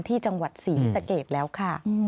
ที่จังหวัดศรีสะเกดแล้วค่ะ